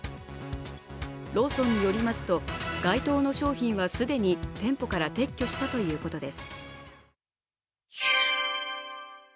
ローソンによりますと該当の商品は既に店舗から撤去したということです。